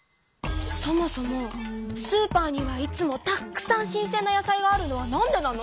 そもそもスーパーにはいつもたくさん新鮮な野菜があるのはなんでなの？